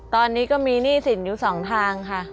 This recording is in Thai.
ตอนนี้ก็มีหนี้สินอยู่สองทางค่ะ